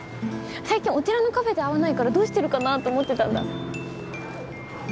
最近お寺のカフェで会わないからどうしてるかなと思ってたんだ